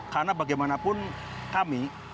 karena bagaimanapun kami